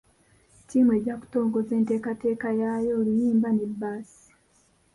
Ttiimu ejja kutongoza enteekateeka yaayo, oluyimba ne bbaasi.